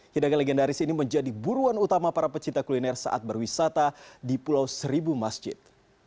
hidangan legendaris ini menjadi buruan utama para pecinta kuliner saat berwisata di pulau seribu masjid